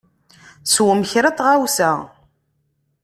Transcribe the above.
Swem kra n tɣawsa.